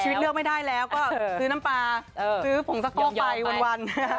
เลือกไม่ได้แล้วก็ซื้อน้ำปลาซื้อผงสะโพกไปวัน